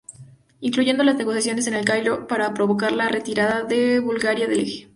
Incluyendo las negociaciones en El Cairo, para provocar la retirada de Bulgaria del Eje.